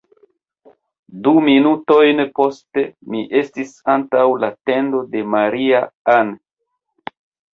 Du minutojn poste, mi estis antaŭ la tendo de Maria-Ann.